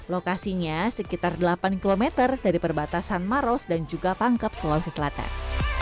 lokasinya sekitar delapan km dari perbatasan maros dan juga pangkep sulawesi selatan